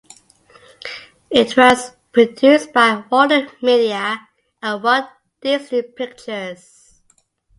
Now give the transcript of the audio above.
It was produced by Walden Media and Walt Disney Pictures.